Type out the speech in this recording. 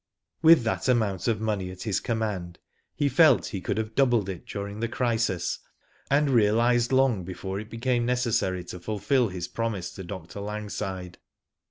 With tl^at amount of money at his command he felt he could have doubled it during the crisis and realised long before it became necessary to fulfil his promise to Dr. Langside.